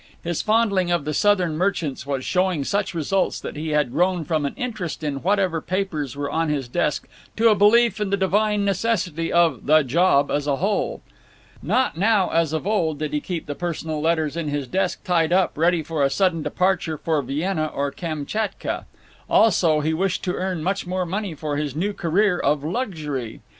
His fondling of the Southern merchants was showing such results that he had grown from an interest in whatever papers were on his desk to a belief in the divine necessity of The Job as a whole. Not now, as of old, did he keep the personal letters in his desk tied up, ready for a sudden departure for Vienna or Kamchatka. Also, he wished to earn much more money for his new career of luxury.